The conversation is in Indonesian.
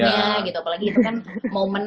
apalagi itu kan momen